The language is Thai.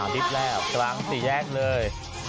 ดริปแล้วตรงสี่แยกเลย